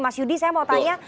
mas yudi saya mau tanya